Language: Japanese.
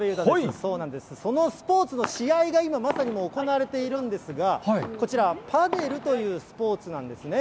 そうなんです、そのスポーツの試合が今、まさに行われているんですが、こちら、パデルというスポーツなんですね。